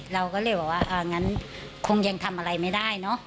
เราก็เลยบอกว่างั้นคงยังทำอะไรไม่ได้เนอะ